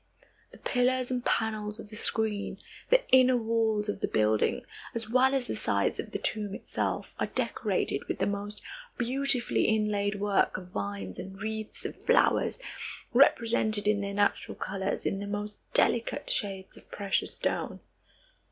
The pillars and panels of the screen, the inner walls of the building, as well as the sides of the tomb itself, are decorated with the most beautifully inlaid work of vines and wreaths of flowers represented in their natural colors, in the most delicate shades of precious stone.